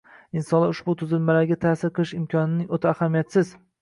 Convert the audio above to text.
insonlar ushbu tuzilmalarga ta’sir qilish imkonining o‘ta ahamiyatsiz